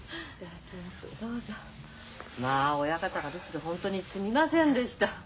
まあ親方が留守でホントにすみませんでした。